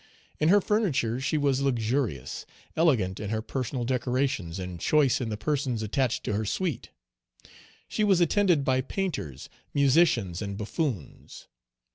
In her furniture she was luxurious; elegant in her personal decorations, and choice in the persons attached to her suite. She was attended by painters, musicians, and buffoons.